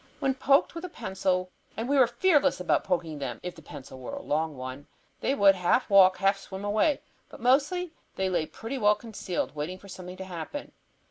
When poked with a pencil, and we were fearless about poking them, if the pencil were a long one, they would half walk, half swim away. But mostly they lay pretty well concealed, waiting for something to happen.